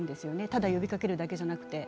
多田呼びかけるだけじゃなくて。